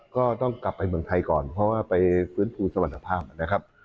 ก็ต้องกลับไปเมืองไทยก่อนเพราะว่าไปฟื้นฟูสวรรณภาพนะครับ